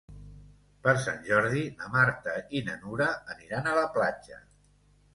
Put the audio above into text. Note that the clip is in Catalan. Per Sant Jordi na Marta i na Nura aniran a la platja.